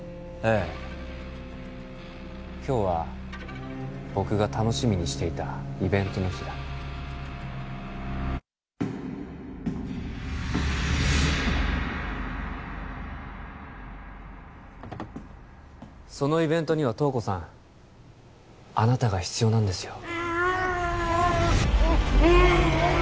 ええ今日は僕が楽しみにしていたイベントの日だそのイベントには東子さんあなたが必要なんですよ